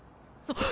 あっ。